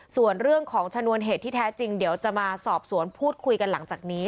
ส่วนเรื่องของชนวนเหตุที่แท้จริงเดี๋ยวจะมาสอบสวนพูดคุยกันหลังจากนี้